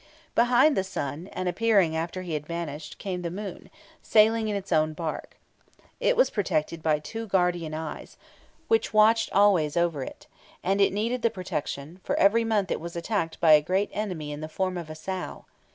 Behind the sun, and appearing after he had vanished, came the moon, sailing in its own bark. It was protected by two guardian eyes, which watched always over it (Plate 13), and it needed the protection, for every month it was attacked by a great enemy in the form of a sow.